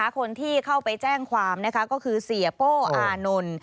คนที่เข้าไปแจ้งความก็คือเสียโป้อานนท์